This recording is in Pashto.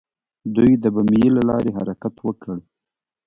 دوی د بمیي له لارې حرکت وکړ.